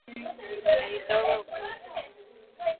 Editor Vaucluse